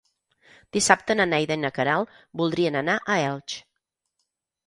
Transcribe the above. Dissabte na Neida i na Queralt voldrien anar a Elx.